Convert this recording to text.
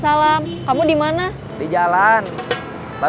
sesuai untuk pelanggan